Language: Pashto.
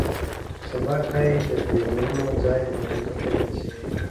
سبا ښایي د ګودرونو ځای پوهنتونونه ونیسي.